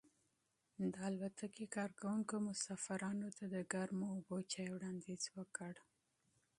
د الوتکې کارکونکو مسافرانو ته د ګرمو چایو وړاندیز وکړ.